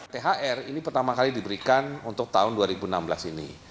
thr ini pertama kali diberikan untuk tahun dua ribu enam belas ini